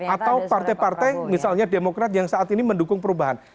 atau partai partai misalnya demokrat yang saat ini mendukung perubahan